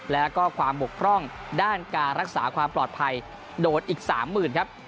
แล้วก็ความบกพร่องด้านการรักษาความปลอดภัยโดนอีก๓๐๐๐ครับ